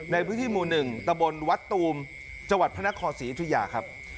ในพื้นที่หมู่๑ตะบนวัดตูมจังหวัดพระนครศรียุธยาครับ